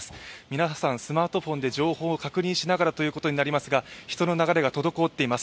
皆さんスマートフォンで情報を確認しながらということになりますが、人の流れが滞っています。